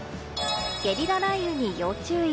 ゲリラ雷雨に要注意。